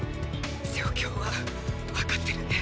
状況はわかってるね？